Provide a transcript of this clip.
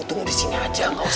tunggu disini saja